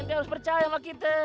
dia harus percaya sama kita